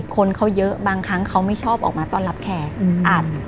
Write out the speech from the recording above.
คนเขาเยอะบางครั้งเขาไม่ชอบออกมาต้อนรับแขกอ่าน